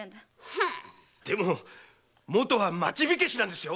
でももとは町火消しなんですよ。